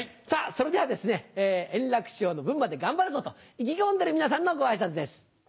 さあ、それではですね、円楽師匠の分まで頑張るぞと意気込んでる皆さんのごあいさつです。